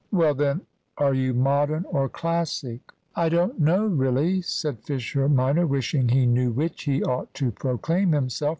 "Well, then, are you Modern or Classic?" "I don't know, really," said Fisher minor, wishing he knew which he ought to proclaim himself.